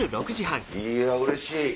いやうれしい！